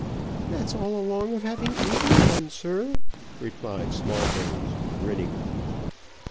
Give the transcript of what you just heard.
"That's all along of having eaten one, sir," replied Smallbones, grinning.